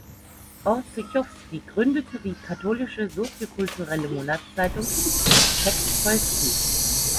Orzechowski gründete die katholische soziokulturelle Monatszeitung "Aspekt Polski".